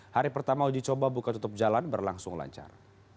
hari pertama uji coba buka tutup jalan berlangsung lancar